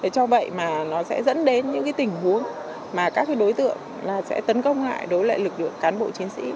do vậy mà nó sẽ dẫn đến những tình huống mà các đối tượng sẽ tấn công lại đối với lực lượng cán bộ chiến sĩ